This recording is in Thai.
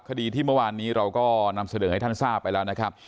คดีที่เมื่อวานนี้เราก็นำเสนอให้ท่านทราบไปแล้วนะครับ